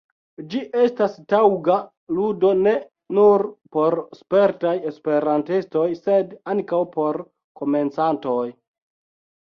Ĝi estas taŭga ludo ne nur por spertaj esperantistoj, sed ankaŭ por komencantoj.